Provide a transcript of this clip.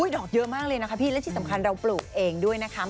ดอกเยอะมากเลยนะคะพี่และที่สำคัญเราปลูกเองด้วยนะคะ